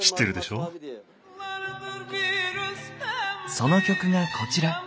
その曲がこちら。